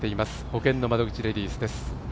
ほけんの窓口レディースです。